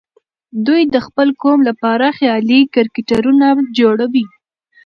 دوی د خپل قوم لپاره خيالي کرکټرونه جوړوي.